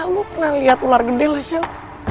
lo pernah lihat ular gede lah chel